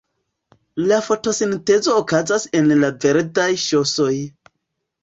La fotosintezo okazas en la verdaj ŝosoj.